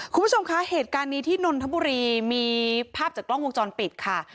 คุณผู้ชมคะเหตุการณ์นี้ที่นนทบุรีมีภาพจากกล้องวงจรปิดค่ะ